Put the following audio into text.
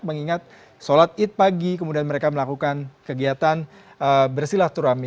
mengingat sholat id pagi kemudian mereka melakukan kegiatan bersilah turami